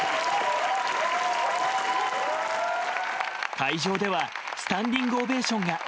会場ではスタンディングオベーションが。